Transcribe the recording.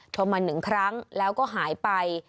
โทรมา๑ครั้งแล้วก็หายไป